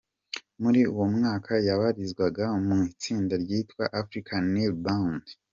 Muri uwo mwaka yabarizwaga mu itsinda ryitwa “Africa Nil Band”.